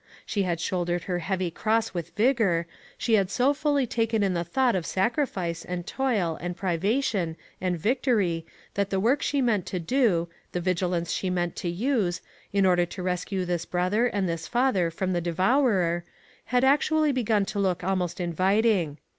She had shouldered her heavy cross with vigor. She had so fully taken in the thought of sacrifice, and toil, and privation, and victory, that the work she meant to do, the vigi lance she meant to use, in order to rescue this brother and this father from the de vourer, had actually begun to look almost inviting.